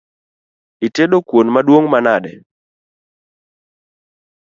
Itedo kuon maduong’ manade?